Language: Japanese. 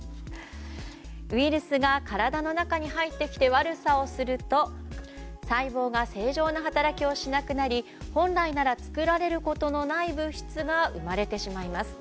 ウイルスが体の中に入ってきて悪さをすると細胞が正常な働きをしなくなり本来なら作られることのない物質が生まれてしまいます。